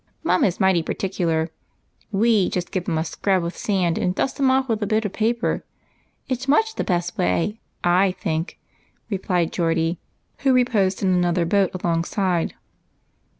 ' PHEBE'S SECRET. 105 " Mum is mighty particular ; we just give 'em a scrub with sand, and dust 'em off with a bit of jjaper. It 's much the best way, I think," replied Geordie, who reposed in another boat alongside.